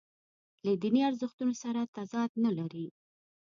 له دیني ارزښتونو سره تضاد نه لري.